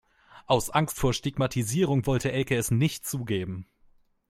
Aus Angst vor Stigmatisierung wollte Elke es nicht zugeben.